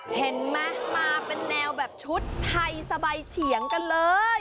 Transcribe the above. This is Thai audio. เห็นไหมมาเป็นแนวแบบชุดไทยสบายเฉียงกันเลย